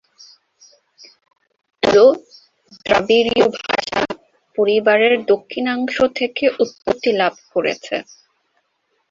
তুলু দ্রাবিড়ীয় ভাষা পরিবারের দক্ষিণাংশ থেকে উৎপত্তি লাভ করেছে।